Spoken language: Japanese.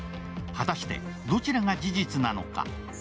果たしてどちらが事実なのか。